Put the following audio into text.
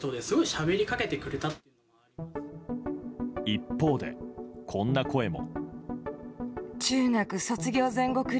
一方で、こんな声も。